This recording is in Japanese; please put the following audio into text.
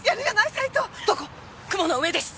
雲の上です！